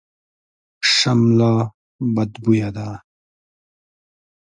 شمله بدبویه ده.